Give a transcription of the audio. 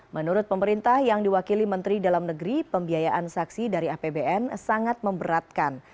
menurut pemerintah yang diwakili menteri dalam negeri pembiayaan saksi dari apbn sangat memberatkan